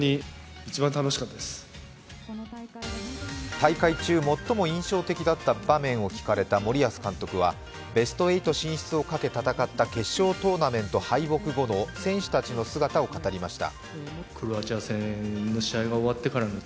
大会中、最も印象的だった場面を聞かれた森保監督はベスト８進出をかけ戦った決勝トーナメント敗北後の選手たちの姿を語りました。